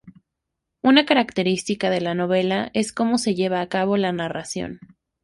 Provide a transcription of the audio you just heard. Una característica de la novela es cómo se lleva a cabo la narración.